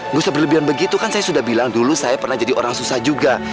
nggak usah berlebihan begitu kan saya sudah bilang dulu saya pernah jadi orang susah juga